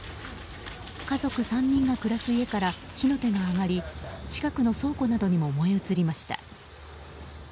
家族３人が暮らす家から火の手が上がり近くの倉庫などにも燃え移りました。